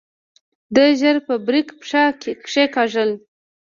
ده ژر په بريک پښه کېکاږله.